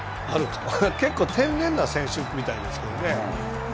結構、天然な選手みたいですけどね。